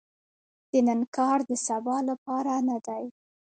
د نن کار د سبا لپاره نه دي .